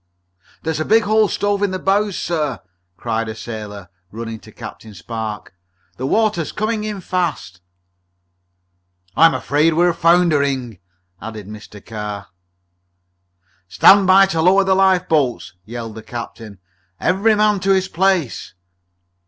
"There's a big hole stove in the bows, sir!" cried a sailor, running to Captain Spark. "The water's coming in fast!" "I'm afraid we're foundering!" added Mr. Carr. "Stand by to lower the lifeboats!" yelled the captain. "Every man to his place!"